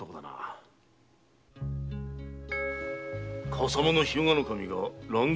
笠間の日向守が乱行？